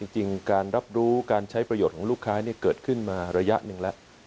จริงการรับรู้การใช้ประโยชน์ของลูกค้าเกิดขึ้นมาระยะหนึ่งแล้ว